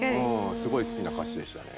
すごい好きな歌詞でしたね。